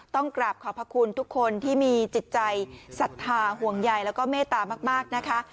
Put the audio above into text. ต้องกราบขอบพระคุณทุกคนที่มีจิตใจศรัทธาห่วงใยแล้วก็เมตตามากนะคะ